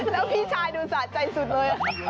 แล้วพี่ชายดูสะใจสุดเลย